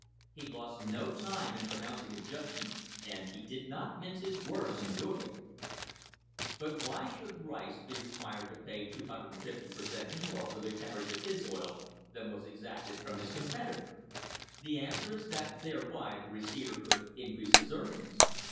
He lost no time in pronouncing a judgment, and he did not mince his words in doing it: " But why should Rice be required to pay 250 per cent, more for the carriage of his oil than was exacted from his competitor ? The answer is that thereby the receiver could increase his earnings.